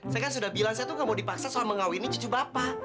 saya kan sudah bilang saya tuh gak mau dipaksa soal mengawini cucu bapak